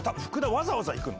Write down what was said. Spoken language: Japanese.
わざわざ行くの？